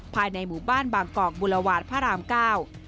ภายในหมู่บ้านบางกอกบุรวาสพระรามเก้า